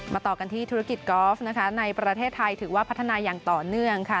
ต่อกันที่ธุรกิจกอล์ฟนะคะในประเทศไทยถือว่าพัฒนาอย่างต่อเนื่องค่ะ